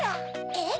えっ？